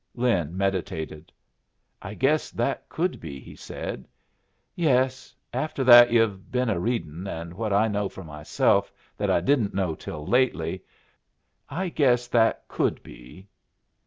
Lin meditated. "I guess that could be," he said. "Yes; after that yu've been a readin', and what I know for myself that I didn't know till lately, I guess that could be."